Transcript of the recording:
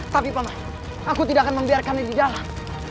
tapi pak man aku tidak akan membiarkannya di dalam